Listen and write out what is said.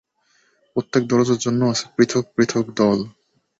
প্রত্যেক দরজার জন্য আছে পৃথক পৃথক দল।